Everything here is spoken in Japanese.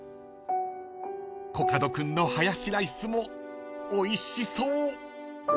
［コカド君のハヤシライスもおいしそう！］